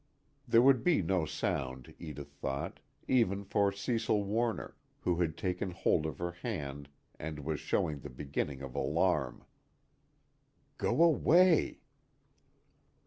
_" There would be no sound, Edith thought, even for Cecil Warner, who had taken hold of her hand and was showing the beginning of alarm. "_Go away!